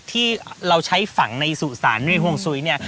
ที่เราใช้ฝังในสู่สารในห่วงซุ้ยเนี่ย